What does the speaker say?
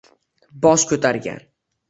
Bosh ko’targan